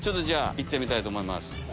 行ってみたいと思います。